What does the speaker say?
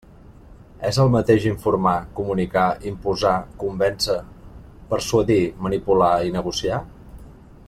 És el mateix informar, comunicar, imposar, convèncer, persuadir, manipular i negociar?